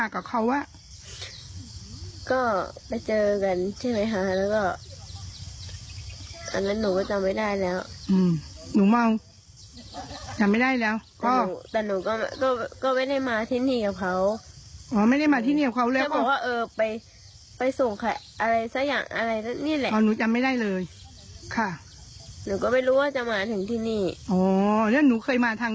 ก็ไม่ได้มาที่นี่กับเขาแล้วไปส่งอะไรซักอย่าง